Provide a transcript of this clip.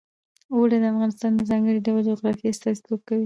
اوړي د افغانستان د ځانګړي ډول جغرافیه استازیتوب کوي.